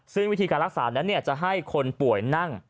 ซึ่งวิธีการรักษานั้นจะให้คนป่วยนั่ง